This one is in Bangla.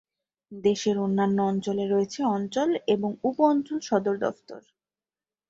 দেশের অন্যান্য অঞ্চলে রয়েছে অঞ্চল এবং উপ-অঞ্চল সদর দফতর।